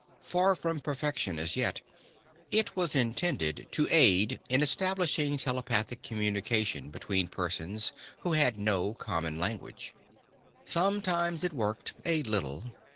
Far from perfection as yet, it was intended to aid in establishing telepathic communication between persons who had no common language. Sometimes it worked, a little.